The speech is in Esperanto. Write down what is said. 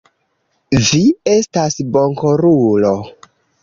Vi estas bonkorulo.